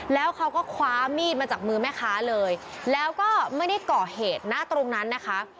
แล้วเขาก็คว้ามีดมาจากมือแม่ค้าเลยแล้วก็ไม่ได้ก่อเหตุณตรงนั้นนะคะ